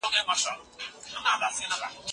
څنګه د صادراتو اسانتیا د صنعت وده چټکوي؟